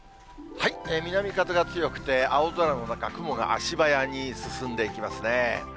南風が強くて、青空の中、雲が足早に進んでいきますね。